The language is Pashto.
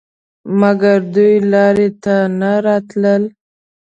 مګر دوی لارې ته نه راتلل.